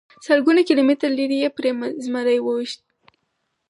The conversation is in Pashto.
سلګونه کیلومتره لرې یې پرې زمری وويشت.